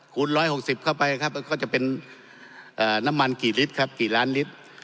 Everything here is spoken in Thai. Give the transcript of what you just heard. ูน๑๖๐เข้าไปครับก็จะเป็นน้ำมันกี่ลิตรครับกี่ล้านลิตร